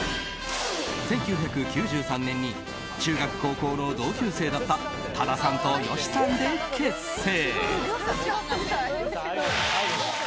１９９３年に中学、高校の同級生だった多田さんと善しさんで結成。